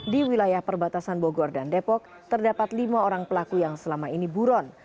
di wilayah perbatasan bogor dan depok terdapat lima orang pelaku yang selama ini buron